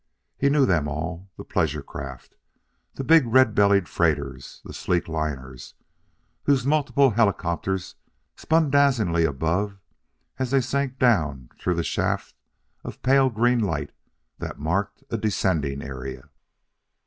He knew them all: the pleasure craft, the big, red bellied freighters, the sleek liners, whose multiple helicopters spun dazzlingly above as they sank down through the shaft of pale green light that marked a descending area.